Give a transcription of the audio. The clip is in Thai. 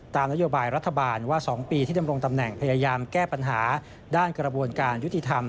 นโยบายรัฐบาลว่า๒ปีที่ดำรงตำแหน่งพยายามแก้ปัญหาด้านกระบวนการยุติธรรม